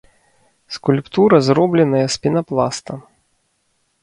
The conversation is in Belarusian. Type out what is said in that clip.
Скульптура зробленая з пенапласта.